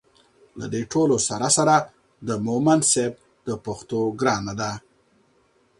له دې ټولو سره سره د مومند صیب د پښتو ګرانه ده